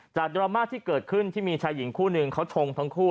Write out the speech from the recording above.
ดราม่าที่เกิดขึ้นที่มีชายหญิงคู่หนึ่งเขาชงทั้งคู่